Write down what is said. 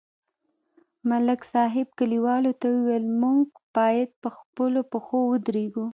ملک صاحب کلیوالو ته وویل: موږ باید په خپلو پښو ودرېږو